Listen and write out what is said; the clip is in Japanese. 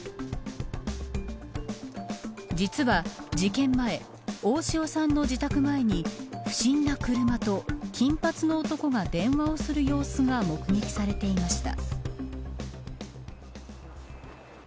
実は、事件前大塩さんの自宅前に不審な車と、金髪の男が電話をする様子が目撃されていました。